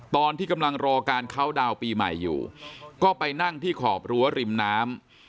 ตอนที่กำลังรอการเคาน์ดาวน์ปีใหม่อยู่ก็ไปนั่งที่ขอบรั้วริมน้ำ